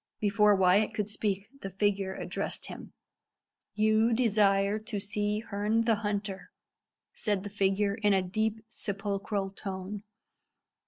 Before Wyat could speak the figure addressed him. "You desire to see Herne the Hunter," said the figure, in a deep, sepulchral tone.